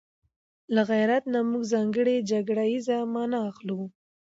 له غيرت نه موږ ځانګړې جګړه ييزه مانا اخلو